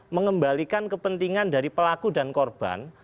mengembalikan kepentingan dari pelaku dan korban